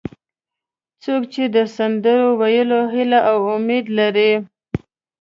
څوک چې د سندرو ویلو هیله او امید لري.